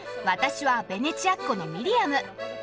私はベネチアっ子のミリアム。